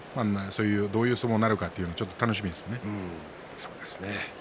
どういう相撲になるか楽しみですね。